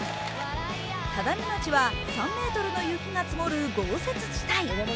只見町は３ｍの雪が積もる豪雪地帯。